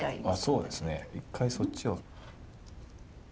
あっそうですね一回そっちを。